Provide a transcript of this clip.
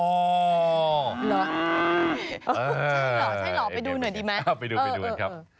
เหรอใช่เหรอใช่เหรอไปดูหน่อยดีไหมไปดูไปดูกันครับ